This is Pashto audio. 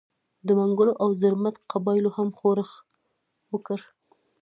د منګلو او زرمت قبایلو هم ښورښ وکړ.